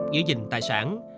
giữ gìn tài sản